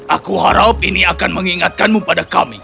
aku harap ini akan mengingatkanmu pada kami